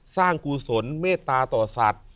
กุศลเมตตาต่อสัตว์